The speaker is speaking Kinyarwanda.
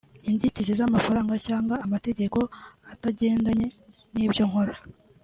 Inzitizi z’amafaranga cyangwa amategeko atagendanye n’ibyo nkora